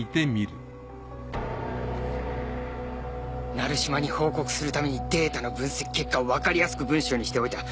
成島に報告するためにデータの分析結果をわかりやすく文章にしておいた。